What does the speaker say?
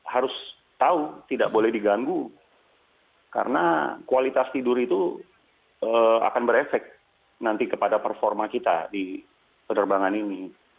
harus tahu tidak boleh diganggu karena kualitas tidur itu akan berefek nanti kepada performa kita di penerbangan ini